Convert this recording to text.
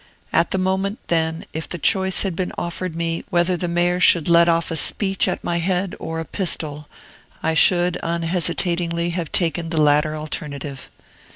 At the moment, then, if the choice had been offered me whether the Mayor should let off a speech at my head or a pistol, I should unhesitatingly have taken the latter alternative.